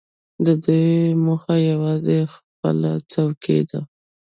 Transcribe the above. د دوی موخه یوازې خپله څوکۍ ده.